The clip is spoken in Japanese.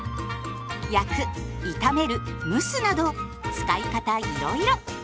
焼く炒める蒸すなど使い方いろいろ。